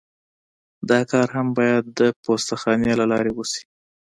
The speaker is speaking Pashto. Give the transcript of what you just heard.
دا کار هم باید د پوسته خانې له لارې وشي